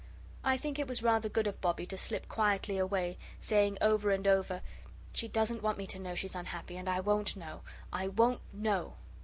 I think it was rather good of Bobbie to slip quietly away, saying over and over, "She doesn't want me to know she's unhappy, and I won't know; I won't know."